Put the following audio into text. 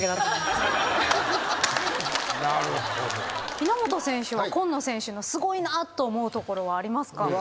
稲本選手は今野選手のすごいなと思うところはありますか？